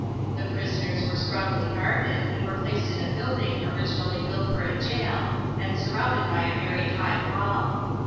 The prisoners were strongly guarded and were placed in a building originally built for a jail and surrounded by a very high wall.